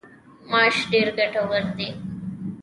ماش ډیر ګټور دي.